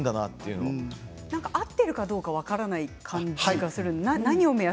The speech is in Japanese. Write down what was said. ツボが合っているかどうか分からない感じがするんですが。